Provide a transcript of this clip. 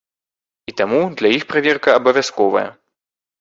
І таму для іх праверка абавязковая.